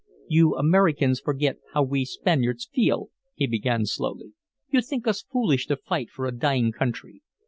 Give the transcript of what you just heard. "You Americans forget how we Spaniards feel," he began slowly. "You think us foolish to fight for a dying country.